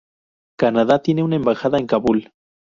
Canadá tiene una embajada en Kabul.